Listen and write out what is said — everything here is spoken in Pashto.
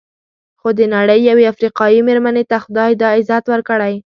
خو د نړۍ یوې افریقایي مېرمنې ته خدای دا عزت ورکړی.